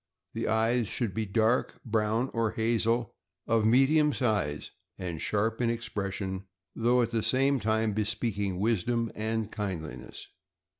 The eyes should be dark brown or hazel, of medium size, and sharp in expression, though at the same time bespeaking wisdom and kindli ness.